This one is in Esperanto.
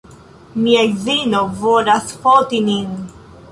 Mia edzino volas foti nin